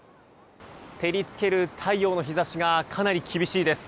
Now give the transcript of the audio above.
照り付ける太陽の日差しがかなり厳しいです。